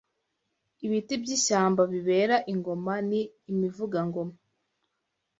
Ibiti by’ishyamba bibera ingoma ni imivugangoma